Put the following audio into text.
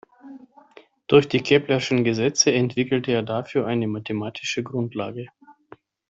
Durch die Keplerschen Gesetze entwickelte er dafür eine mathematische Grundlage.